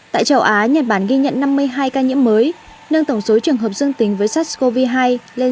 tại châu á nhật bản ghi nhận năm mươi hai ca nhiễm mới nâng tổng số trường hợp dương tính với sars cov hai lên sáu trăm chín mươi một